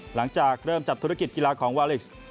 หลังจากเริ่มจัดธุรกิจกีฬาของวาลิกซ์